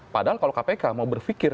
padahal kalau kpk mau berpikir